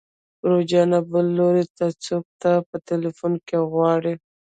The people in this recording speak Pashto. ورور جانه بل لوري ته څوک تا په ټليفون کې غواړي.